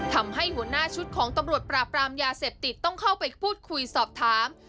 ทำให้หัวหน้าชุดของตำรวจปราบรามยาเสพติดต้องเข้าไปพูดคุยสอบถาม